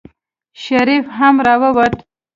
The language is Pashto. شريف هم راووت.